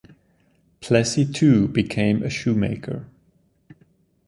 Plessy too became a shoemaker.